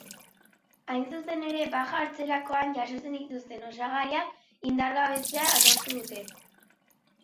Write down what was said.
Hain zuzen ere, baja hartzeakoan jasotzen zituzten osagarriak indargabetzea adostu dute.